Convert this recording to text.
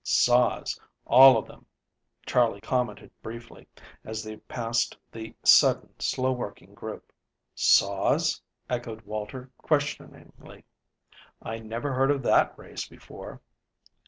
"Saws, all of them." Charley commented briefly, as they passed the sudden, slow working group. "Saws?" echoed Walter questioningly. "I never heard of that race before."